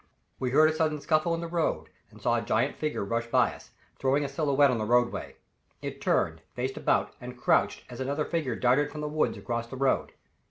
We heard a sudden scuffle in the road, and saw a giant figure rush by us, throwing a silhouette on the roadway. It turned, faced about and crouched as another figure darted from the woods across the road.